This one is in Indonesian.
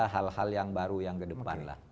hal hal yang baru yang kedepan lah